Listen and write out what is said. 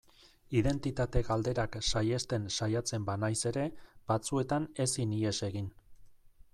Identitate galderak saihesten saiatzen banaiz ere, batzuetan ezin ihes egin.